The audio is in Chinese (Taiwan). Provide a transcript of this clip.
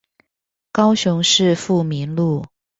高雄市富民路